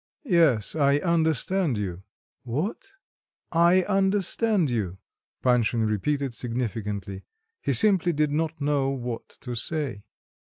"Yes, I understand you." "What?" "I understand you," Panshin repeated significantly; he simply did not know what to say.